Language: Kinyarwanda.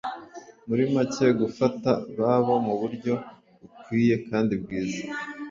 muri make gufata babo mu buryo bukwiye kandi bwiza